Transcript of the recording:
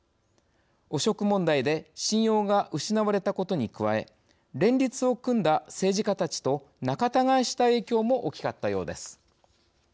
汚職問題で信用が失われたことに加え連立を組んだ政治家たちと仲たがいした影響も大きかったようです。